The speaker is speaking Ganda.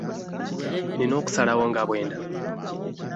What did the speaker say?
Nnina okusalawo nga bwe ndaba.